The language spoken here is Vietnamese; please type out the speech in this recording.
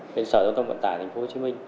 bên sở giao thông vận tải thành phố hồ chí minh